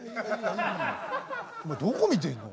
お前どこ見てんの？